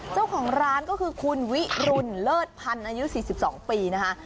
เจ้าของร้านก็คือคุณวิรุณเลิศพันธ์อายุ๔๒ปีนะคะ